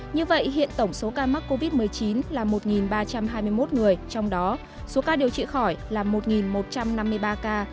như vậy hiện tổng số ca mắc covid một mươi chín là một ba trăm hai mươi một người trong đó số ca điều trị khỏi là một một trăm năm mươi ba ca